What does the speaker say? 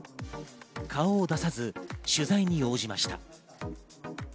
顔を出さず取材に応じました。